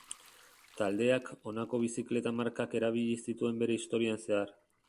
Taldeak honako bizikleta markak erabili zituen bere historian zehar.